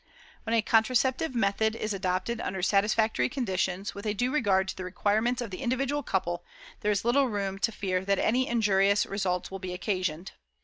"When a contraceptive method is adopted under satisfactory conditions, with a due regard to the requirements of the individual couple, there is little room to fear that any injurious results will be occasioned.